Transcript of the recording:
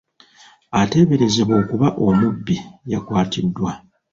Ateeberezebwa okuba omubbi yakwatiddwa.